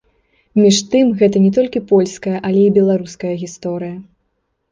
Між тым, гэта не толькі польская, але і беларуская гісторыя.